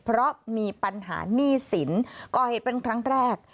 เพราะมีปัญหาหนี้สินก่อเหตุเป็นครั้งแรก